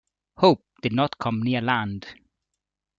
Hope did not come near land.